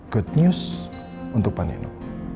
good news untuk pak nino